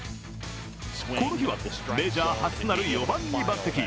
この日はメジャー初となる４番に抜てき。